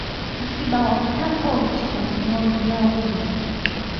msiba wa mkapa ulichoma mioyo ya wengi